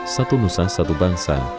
satu nusa satu bangsa